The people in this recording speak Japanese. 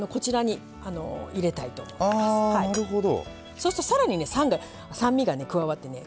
そうすると更にね酸味がね加わってね